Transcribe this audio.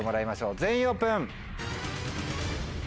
全員オープン！